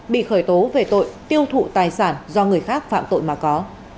bị khởi tố về tội tiêu thụ tài sản do người khác phạm tội mà có